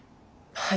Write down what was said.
はい。